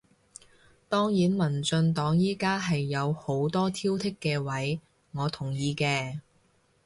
當然民進黨而家係有好多挑剔嘅位，我同意嘅